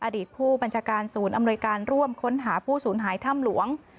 อดีตผู้บัญชาการศูนย์อำนวยการร่วมค้นหาผู้สูญหายถ้ำหลวง